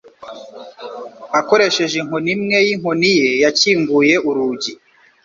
Akoresheje inkoni imwe y'inkoni ye yakinguye urugi